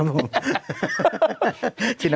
มันเหมือนอ่ะ